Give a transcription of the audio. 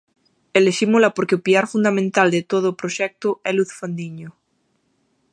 Elixímola porque o piar fundamental de todo o proxecto é Luz Fandiño.